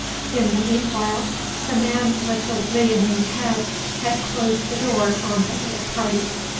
In the meanwhile the man with the leonine head had closed the door on the little party.